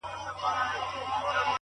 نور مينه نه کومه دا ښامار اغزن را باسم ـ